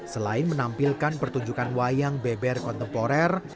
selain menampilkan pertunjukan wayang beber kontemporer